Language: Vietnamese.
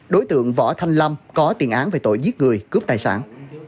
đối tượng võ thanh lâm có tiền án về tội giết người cướp tài sản